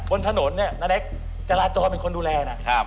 บนถนนเนี่ยนาเล็กจราจรเป็นคนดูแลนะ